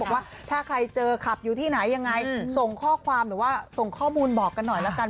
ว่าถ้าใครเจอขับอยู่ที่ไหนยังไงส่งข้อความหรือว่าส่งข้อมูลบอกกันหน่อยแล้วกัน